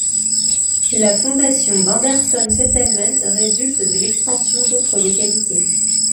La fondation d'Anderson Settlement résulte de l'expansion d'autres localités.